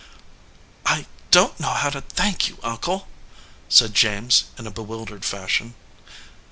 "I don t know how to thank you, uncle," said James, in a bewildered fashion.